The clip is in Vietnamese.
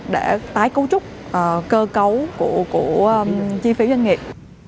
để tái cấu trúc cơ cấu của chi phí doanh nghiệp